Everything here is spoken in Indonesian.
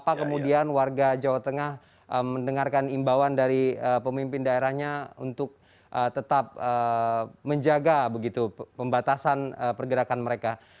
apa kemudian warga jawa tengah mendengarkan imbauan dari pemimpin daerahnya untuk tetap menjaga pembatasan pergerakan mereka